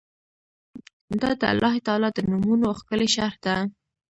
دا د الله تعالی د نومونو ښکلي شرح ده